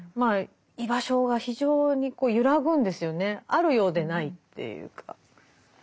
あるようでないっていうか。